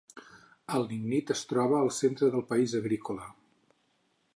El lignit es troba al centre del país agrícola.